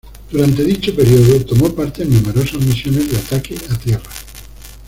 Durante dicho período, tomó parte en numerosas misiones de ataque a tierra.